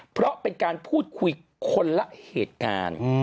เพราะเป็นการพูดคุยคนละเหตุการณ์